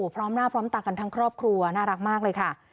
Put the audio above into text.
พร้อมหน้าพร้อมตากันทั้งครอบครัวน่ารักมากเลยค่ะ